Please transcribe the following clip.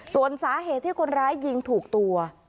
ส่วนสาเหตุที่คนร้ายยิงถูกตัว